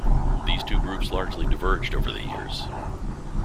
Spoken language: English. These two groups largely diverged over the years.